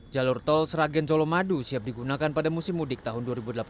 jalur tol seragen colomadu siap digunakan pada musim mudik tahun dua ribu delapan belas